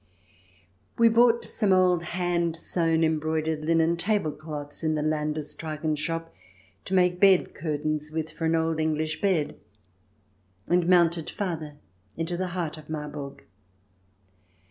We bought some old hand sewn embroidered linen tablecloths in the Landestragen shop to make bed curtains with for an old English bed, and mounted farther into the heart of Marburg.